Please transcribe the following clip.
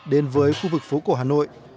đến với khu vực phố cổ hà nội